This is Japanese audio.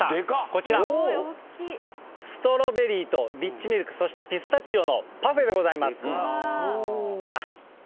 こちら、ストロベリーとリッチミルク、そしてピスタチオのパフェでございます。